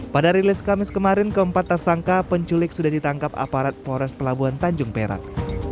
pada rilis kamis kemarin keempat tersangka penculik sudah ditangkap aparat polres pelabuhan tanjung perak